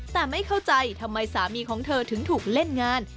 แต่ไม่เข้าใจทำไมสามีของเธอถึงถูกเล่นงาน